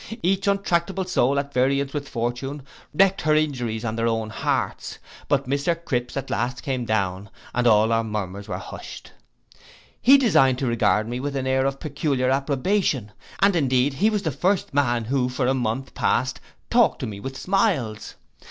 Each untractable soul at variance with fortune, wreaked her injuries on their own hearts: but Mr Cripse at last came down, and all our murmurs were hushed. He deigned to regard me with an air of peculiar approbation, and indeed he was the first man who for a month past talked to me with smiles.